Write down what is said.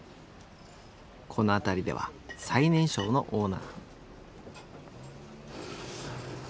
この辺りでは最年少のオーナー。